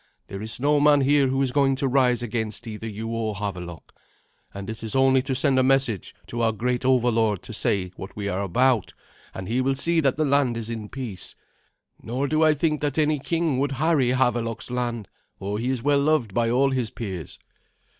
There is no man here who is going to rise against either you or Havelok. And it is only to send a message to our great overlord to say what we are about, and he will see that the land is in peace. Nor do I think that any king would harry Havelok's land, for he is well loved by all his peers."